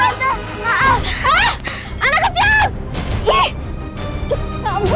aku pengen gue ketawa